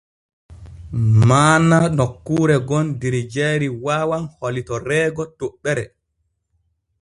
Maana nokkuure gon der jayri waawan hollitoreego toɓɓere.